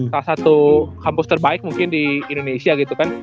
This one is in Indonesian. salah satu kampus terbaik mungkin di indonesia gitu kan